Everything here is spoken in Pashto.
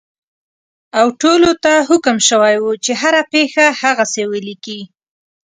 او ټولو ته حکم شوی وو چې هره پېښه هغسې ولیکي.